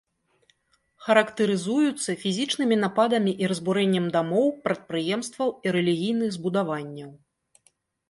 Характарызуюцца фізічнымі нападамі і разбурэннем дамоў, прадпрыемстваў і рэлігійных збудаванняў.